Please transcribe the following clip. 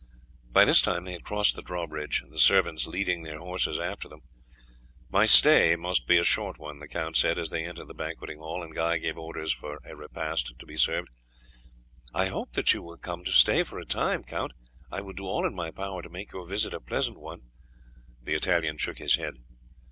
By this time they had crossed the drawbridge, the servants leading their horses after them. "My stay must be a short one," the count said as they entered the banqueting hall, and Guy gave orders for a repast to be served. "I hoped that you were come to stay for a time, Count; I would do all in my power to make your visit a pleasant one." The Italian shook his head.